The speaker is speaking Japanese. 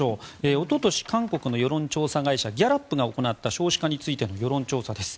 おととし韓国の世論調査会社ギャラップが行った少子化についての世論調査です。